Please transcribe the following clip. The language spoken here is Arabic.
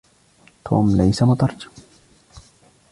توم ليس مترجم.